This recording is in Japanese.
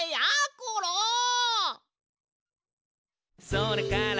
「それから」